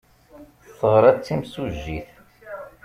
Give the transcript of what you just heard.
Teɣra d timsujjit.